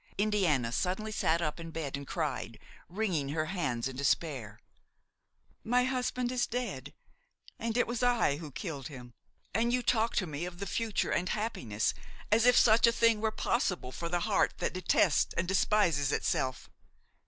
Indiana suddenly sat up in bed and cried, wringing her hands in despair: "My husband is dead! and it was I who killed him! And you talk to me of the future and happiness, as if such a thing were possible for the heart that detests and despises itself!